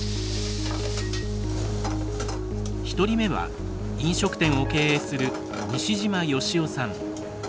１人目は飲食店を経営する西嶋芳生さん。